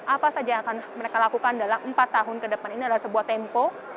apa saja yang akan mereka lakukan dalam empat tahun ke depan ini adalah sebuah tempo